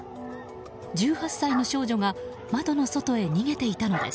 １８歳の少女が窓の外へ逃げていたのです。